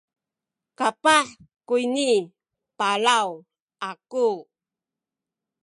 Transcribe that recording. kapah kuni palaw aku